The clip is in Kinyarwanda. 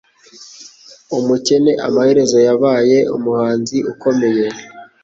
Umukene amaherezo yabaye umuhanzi ukomeye.